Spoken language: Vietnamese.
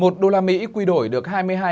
một usd quy đổi được hai mươi hai